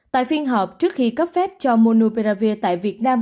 tại phiên họp trước khi cấp phép cho monuperavir tại việt nam